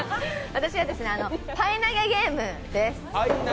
私はパイ投げゲームです。